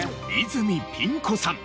泉ピン子さん